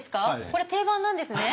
これ定番なんですね。